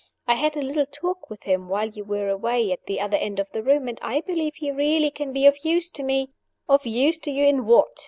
I had a little talk with him while you were away at the other end of the room, and I believe he really can be of use to me " "Of use to you in what?"